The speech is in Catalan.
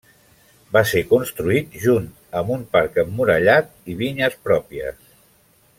Va ser construït junt amb un parc emmurallat i vinyes pròpies.